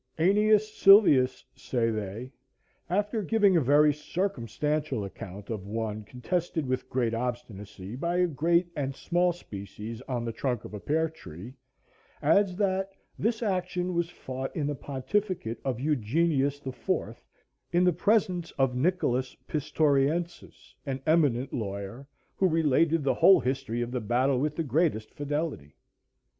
"Æneas Sylvius," say they, "after giving a very circumstantial account of one contested with great obstinacy by a great and small species on the trunk of a pear tree," adds that "'This action was fought in the pontificate of Eugenius the Fourth, in the presence of Nicholas Pistoriensis, an eminent lawyer, who related the whole history of the battle with the greatest fidelity.